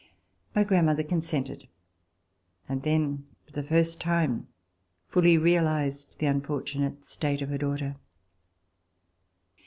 My grandmother consented, and then for the first time fully realized the unfortunate state of her daughter.